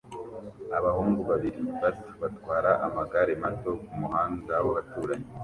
Abahungu babiri bato batwara amagare mato kumuhanda w'abaturanyi